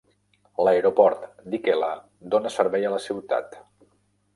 L'aeroport d'Ikela dona servei a la ciutat.